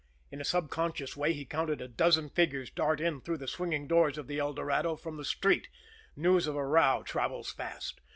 In a subconscious way he counted a dozen figures dart in through the swinging doors of the "El Dorado" from the street news of a row travels fast.